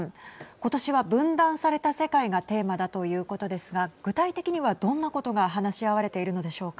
今年は分断された世界がテーマだということですが具体的にはどんなことが話し合われているのでしょうか。